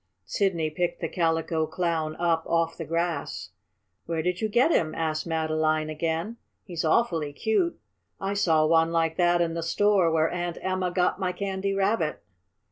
Sidney picked the Calico Clown up off the grass. "Where did you get him?" asked Madeline again. "He's awfully cute. I saw one like that in the store where Aunt Emma got my Candy Rabbit."